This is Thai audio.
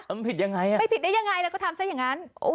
มันผิดยังไงอ่ะไม่ผิดได้ยังไงแล้วก็ทำซะอย่างนั้น